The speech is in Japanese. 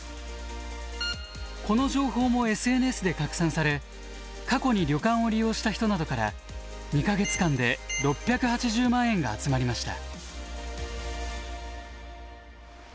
この情報もＳＮＳで拡散され過去に旅館を利用した人などから２か月間で６８０万円が集まりました。